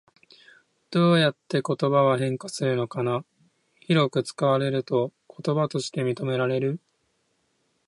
どうやって言葉は変化するのかな？広く使われると言葉として認められる？